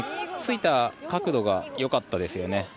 ついた角度がよかったですね。